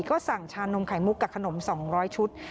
ก็สั่งชานมไข่มุกกับขนม๒๐๐ชุด